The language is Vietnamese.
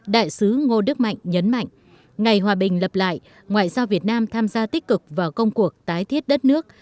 đại sứ ngô đức mạnh nhấn mạnh ngày hòa bình lập lại ngoại giao việt nam tham gia tích cực vào công cuộc tái thiết đất nước